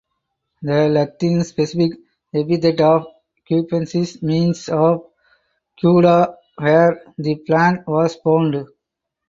The Latin specific epithet of "cubensis" means "of Cuda" (where the plant was found).